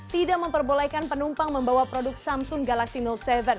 tidak memperbolehkan penumpang membawa produk samsung galaxy no tujuh